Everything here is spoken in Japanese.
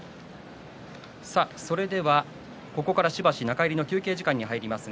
ここからしばし中入りの休憩時間に入ります。